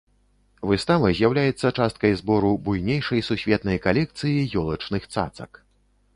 Выстава з'яўляецца часткай збору буйнейшай сусветнай калекцыі ёлачных цацак.